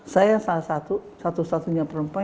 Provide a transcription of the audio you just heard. saya salah satu satunya perempuan